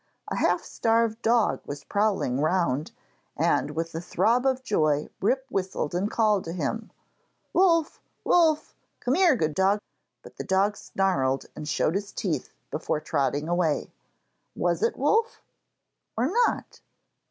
A half starved dog was prowling round, and with a throb of joy Rip whistled and called to him, 'Wolf, Wolf! Come here, good dog!' but the dog snarled and showed his teeth before trotting away. Was it Wolf, or not?